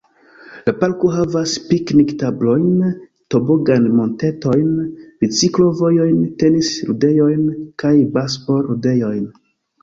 La parko havas piknik-tablojn, tobogan-montetojn, biciklo-vojojn, tenis-ludejojn, kaj basbal-ludejojn.